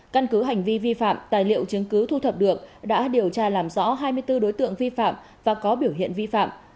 căn cứ hành vi vi phạm tài liệu chứng cứ thu thập được đã điều tra làm rõ hai mươi bốn đối tượng vi phạm và có biểu hiện vi phạm